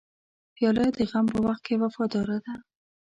پیاله د غم په وخت وفاداره ده.